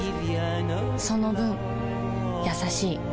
その分優しい